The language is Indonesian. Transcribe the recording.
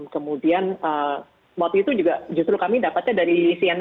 kemudian waktu itu juga justru kami dapat dari cnn indonesia juga